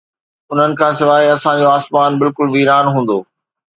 انهن کان سواءِ اسان جو آسمان بلڪل ويران هوندو